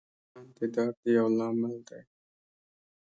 وژنه د درد یو لامل دی